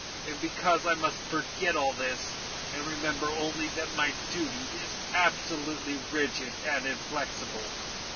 And because I must forget all this and remember only that my duty is absolutely rigid and inflexible.